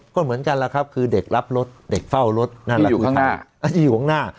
ก็เหมือนกันแล้วครับคือเด็กรับรถเด็กเฝ้ารถอยู่ข้างหน้า